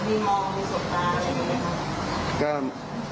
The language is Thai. มีมองมีสดตาอะไรไหมครับ